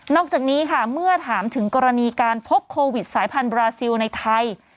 จากนี้ค่ะเมื่อถามถึงกรณีการพบโควิดสายพันธบราซิลในไทย